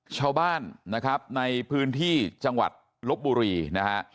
ชาวบ้านนะครับในพื้นที่จังหวัดลบบุรีนะฮะ